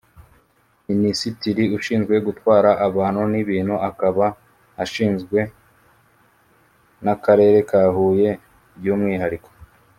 Minisitiri ushinzwe gutwara abantu n’ibintu akaba ashinzwe n’Akarere ka Huye by’umwihariko